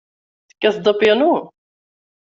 Tekkateḍ apyanu?